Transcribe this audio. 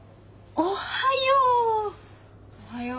おはよう！